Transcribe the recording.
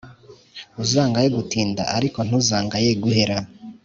Uzangaye gutinda ariko ntuzangaye guhera.